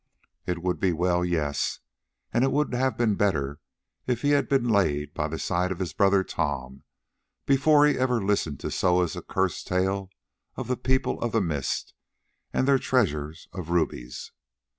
It would be well; yes, and it would have been better if he had been laid by the side of his brother Tom before ever he listened to Soa's accursed tale of the People of the Mist and their treasure of rubies.